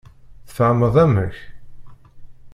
Tfehmeḍ amek?